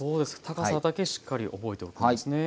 高さだけしっかり覚えておくんですね。